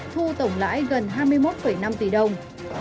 thu tổng lãi gần hai mươi một năm tỷ đồng